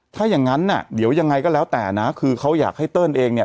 ถ้าอย่างนั้นน่ะเดี๋ยวยังไงก็แล้วแต่นะคือเขาอยากให้เติ้ลเองเนี่ย